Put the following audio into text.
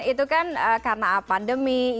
itu kan karena pandemi